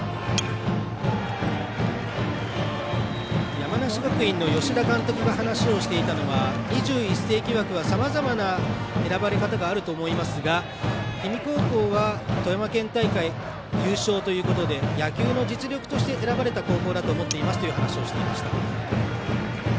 山梨学院の吉田監督が話をしていたのは２１世紀枠は、さまざまな選ばれ方があると思いますが氷見高校は富山県大会優勝ということで野球の実力として選ばれた高校だと思っていますという話をしていました。